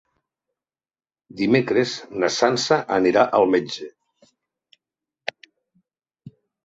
Dimecres na Sança anirà al metge.